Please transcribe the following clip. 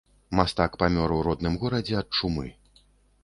Мастак памёр у родным горадзе ад чумы.